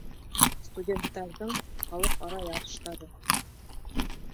Студенттарҙың халыҡ-ара ярыштары